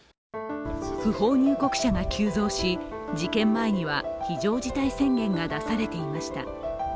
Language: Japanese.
不法入国者が急増し、事件前には非常事態宣言が出されていました。